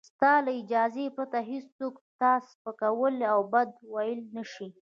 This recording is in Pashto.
ستا له اجازې پرته هېڅوک تا سپکولای او بد ویلای نشي.